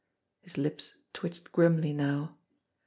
His lips twitched grimly now.